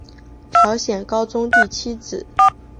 朝鲜高宗第七子。